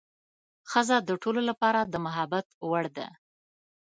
ښځه د ټولو لپاره د محبت وړ ده.